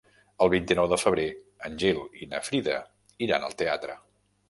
El vint-i-nou de febrer en Gil i na Frida iran al teatre.